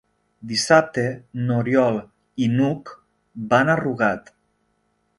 Dissabte n'Oriol i n'Hug van a Rugat.